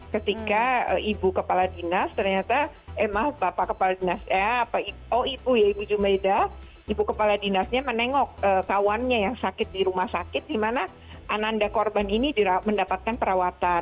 ketika ibu kepala dinas ternyata eh maaf bapak kepala dinas eh oh ibu ya ibu jumeda ibu kepala dinasnya menengok kawannya yang sakit di rumah sakit di mana ananda korban ini mendapatkan perawatan